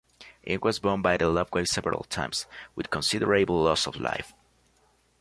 It was bombed by the Luftwaffe several times, with considerable loss of life.